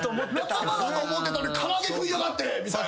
仲間だと思ってたのに唐揚げ食いやがってみたいな。